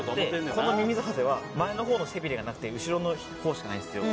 このミミズハゼは前の方の背びれがなくて後ろの方しかないんですよ。